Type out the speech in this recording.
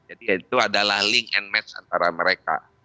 jadi itu adalah link and match antara mereka